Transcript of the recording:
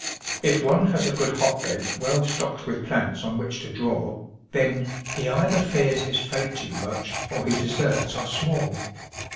If one has a good hotbed well stocked wdth plants on which to draw, then " he either fears his fate too much or his deserts are small.